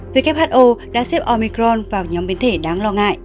who đã xếp omicron vào nhóm biến thể đáng lo ngại